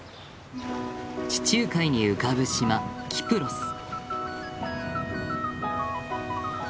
地中海に浮かぶ島キプロス。